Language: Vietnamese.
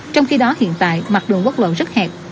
trong khi đó hiện tại mặt đường quốc lộ rất hẹp